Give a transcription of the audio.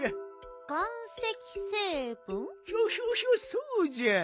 そうじゃ！